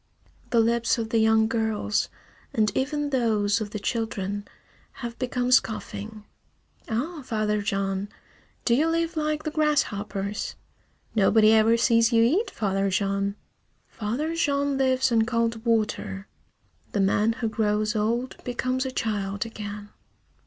The lips of the young girls, and even those of the children, have become scoffing. "Ah, Father Jean! Do you live like the grasshoppers? Nobody ever sees you eat, Father Jean! Father Jean lives on cold water. The man who grows old becomes a child again!